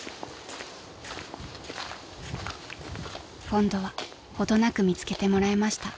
［今度は程なく見つけてもらえました］